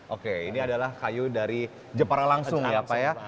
oke ini adalah kayu dari jepara langsung ya pak ya